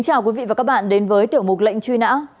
chào quý vị và các bạn đến với tiểu mục lệnh truy nã